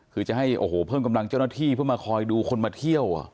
คือจะให้โอ้โหเพิ่มกำลังเจ้าหน้าที่เพื่อมาคอยดูคนมาเที่ยว